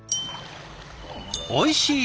おいしい